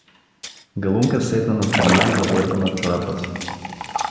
Галунка седна настрана и забърза над чорапа си.